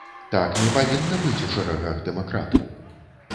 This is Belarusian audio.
Так не павінна быць у шэрагах дэмакратаў!